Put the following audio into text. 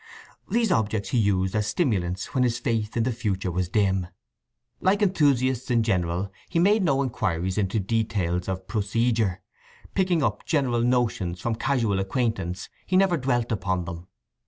These objects he used as stimulants when his faith in the future was dim. Like enthusiasts in general he made no inquiries into details of procedure. Picking up general notions from casual acquaintance, he never dwelt upon them.